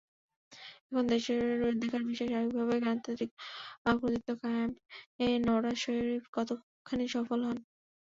এখন দেখার বিষয়, সার্বিকভাবে গণতান্ত্রিক কর্তৃত্ব কায়েমে নওয়াজ শরিফ কতখানি সফল হন।